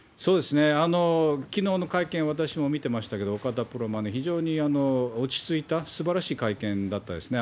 きのうの会見、私も見てましたけど、岡田プロマネージャー、落ち着いたすばらしい会見だったですね。